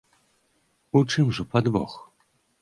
У чым жа падвох?